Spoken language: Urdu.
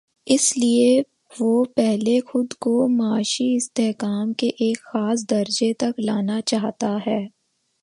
اس لیے وہ پہلے خود کو معاشی استحکام کے ایک خاص درجے تک لا نا چاہتا ہے۔